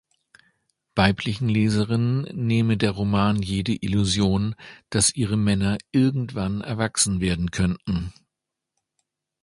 Weiblichen Leserinnen nehme der Roman jede Illusion, dass ihre Männer irgendwann erwachsen werden könnten.